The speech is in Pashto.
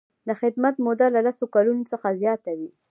د خدمت موده له لس کلونو څخه زیاته وي.